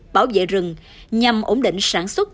bảo vệ rừng nhằm ổn định sản xuất